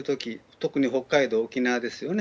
特に北海道、沖縄ですよね。